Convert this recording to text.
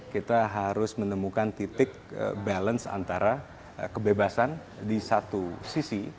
kita harus menemukan titik balance antara kebebasan di satu sisi